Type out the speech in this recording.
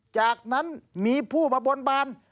จากนั้นมีผู้มาบนบาน